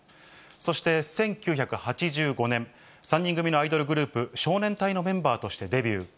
そして、１９８５年、３年組のアイドルグループ、少年隊のメンバーとしてデビュー。